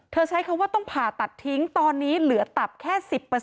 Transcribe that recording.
ใช้คำว่าต้องผ่าตัดทิ้งตอนนี้เหลือตับแค่๑๐